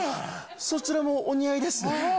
そちらもお似合いですね。